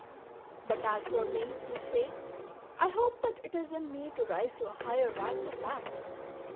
" But as for me," you say, " I hope that it is in me to rise to a higher rank than that